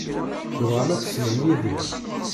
Tebɣam ad tessnem Yidir?